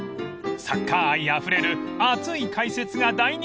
［サッカー愛あふれる熱い解説が大人気です］